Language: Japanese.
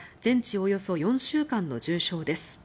およそ４週間の重傷です。